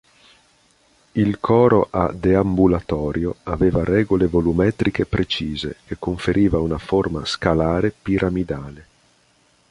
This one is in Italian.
Il Coro a deambulatorio aveva regole volumetriche precise, che conferiva una forma scalare-piramidale.